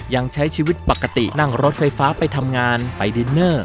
ยังใช้ชีวิตปกตินั่งรถไฟฟ้าไปทำงานไปดินเนอร์